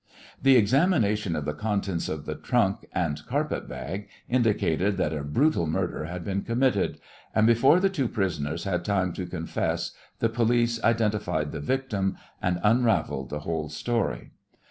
The examination of the contents of the trunk and carpet bag indicated that a brutal murder had been committed, and before the two prisoners had time to confess the police identified the victim, and unravelled the whole story.